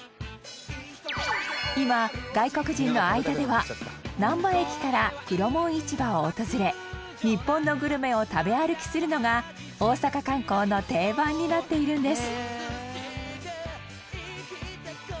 今、外国人の間ではなんば駅から黒門市場を訪れ日本のグルメを食べ歩きするのが大阪観光の定番になっているんです